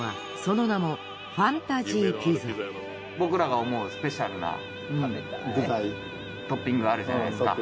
僕らが思うスペシャルなトッピングがあるじゃないですか。